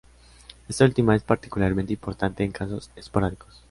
Esta última es particularmente importante en casos esporádicos.